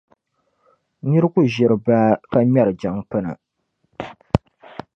Nira ku ʒiri baa ka ŋmɛri jaŋ’ pina.